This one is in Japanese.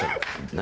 何？